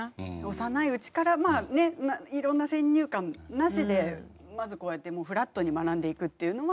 幼いうちからまあねいろんな先入観なしでまずこうやってフラットに学んでいくっていうのは一つ。